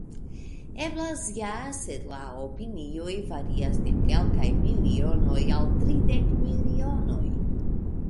Eblas ja, sed la opinioj varias de kelkaj milionoj al tridek milionoj!